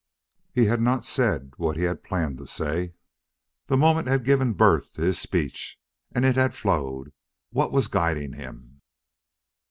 He had not said what he had planned to say. The moment had given birth to his speech, and it had flowed. What was guiding him?